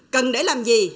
cần để làm gì